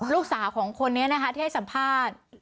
ลูกสาวของคนนี้นะคะที่ให้สัมภาษณ์